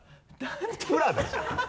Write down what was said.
「プラダ」じゃん！